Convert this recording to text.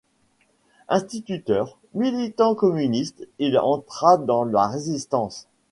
Instituteur, militant communiste, il entra dans la Résistance.